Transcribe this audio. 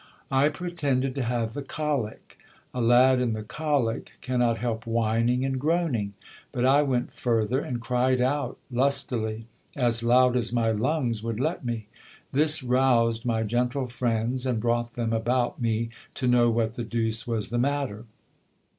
I pretended to have the colic. A lad in the colic cannot help whining and groaning ; but I went further, and cried out lustily, as loud as my lungs would let me. This roused my gentle friends, and brought them about me to know what the deuce was the matter.